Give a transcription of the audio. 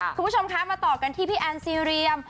คุณผู้ชมคะมาต่อกันที่พี่แอนซีเรียม